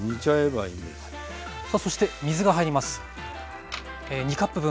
さあそして水が入ります。